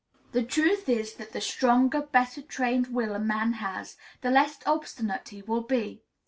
The truth is that the stronger, better trained will a man has, the less obstinate he will be.